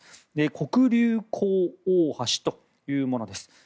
黒竜江大橋というものです。